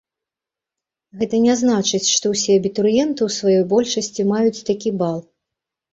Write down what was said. Гэта не значыць, што ўсе абітурыенты ў сваёй большасці маюць такі бал.